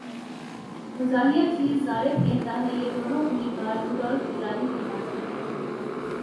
مزاحیہ چِیز ضارب کہتا ہے یہ دونوں امیدوار رڈلف گیلانی کہلاتے ہیں